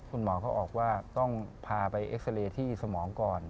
คุณหมอเขาบอกว่าต้องพาไปเอ็กซาเรย์ที่สมองก่อน